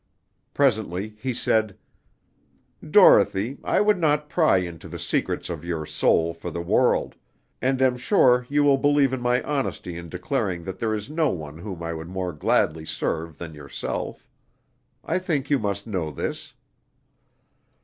Presently he said: "Dorothy, I would not pry into the secrets of your soul for the world, and am sure you will believe in my honesty in declaring that there is no one whom I would more gladly serve than yourself. I think you must know this."